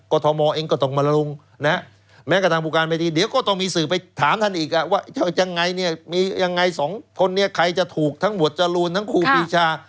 คนเนี่ยใครจะถูกทั้งหัวจรูนทั้งครูพีชา